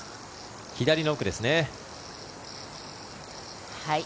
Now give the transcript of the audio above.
左の奥ですね。